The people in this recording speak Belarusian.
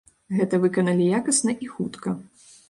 Гэта выканалі якасна і хутка.